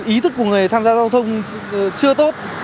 ý thức của người tham gia giao thông chưa tốt